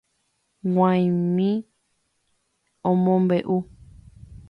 G̃uaig̃ui omombe'u.